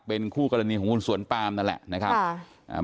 เป็นคู่กรณีของคุณสวนปามนั่นแหละนะครับ